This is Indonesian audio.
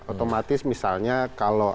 otomatis misalnya kalau